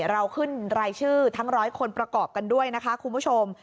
เราขึ้นรายชื่อทั้ง๑๐๐คนประกอบกันด้วยนะคะคุณผู้ชม